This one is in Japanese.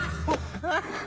ハハハ。